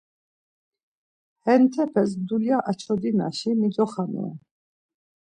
Hetepes dulya açodinaşi micoxanoren.